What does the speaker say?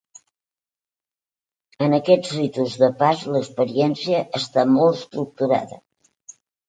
En aquests ritus de pas, l’experiència està molt estructurada.